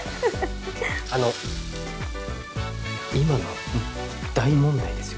あの今の大問題ですよ？